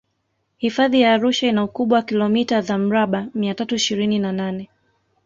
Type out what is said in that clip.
hifadhi ya arusha ina ukubwa wa kilomita za mraba mia tatu ishirini na nane